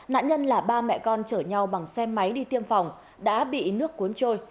nạn nhân là ba mẹ con chở nhau bằng xe máy đi tiêm phòng đã bị nước cuốn trôi